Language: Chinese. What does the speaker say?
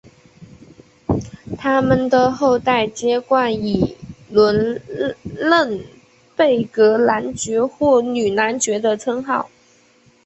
他们的后代皆冠以伦嫩贝格男爵或女男爵的称号。